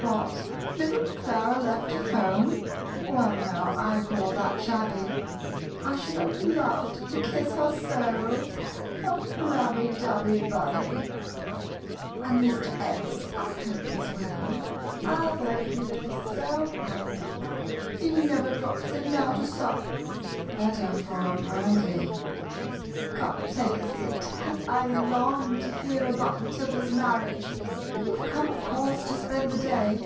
"What! little Clara left at home? Well now I call that shabby: I should have loved to kiss her so (A flabby, dabby, babby!) "And Mr. S., I hope he's well, Ah! though he lives so handy, He never now drops in to sup (The better for our brandy!) "Come, take a seat I long to hear About Matilda's marriage; You're come of course to spend the day!